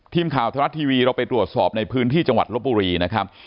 ทีมข่าวธรรมรัฐทีวีเราไปตรวจสอบในพื้นที่จังหวัดลบบุรีนะครับ